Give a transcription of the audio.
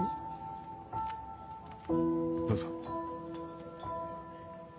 どうぞ。